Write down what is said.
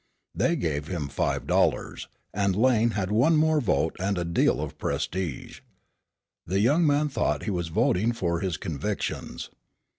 They gave him five dollars, and Lane had one more vote and a deal of prestige. The young man thought he was voting for his convictions.